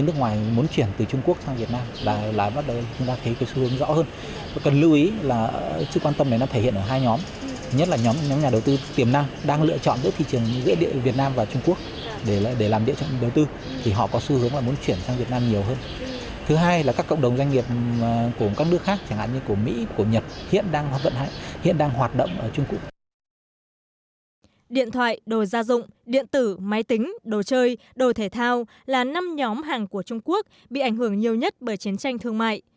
điện thoại đồ gia dụng điện tử máy tính đồ chơi đồ thể thao là năm nhóm hàng của trung quốc bị ảnh hưởng nhiều nhất bởi chiến tranh thương mại